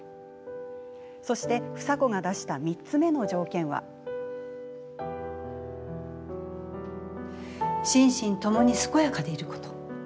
そして、房子が出した心身ともに健やかでいること。